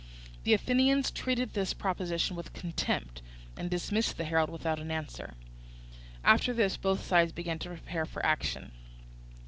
The Athenians treated this proposition with contempt, and dismissed the herald without an answer. After this both sides began to prepare for action.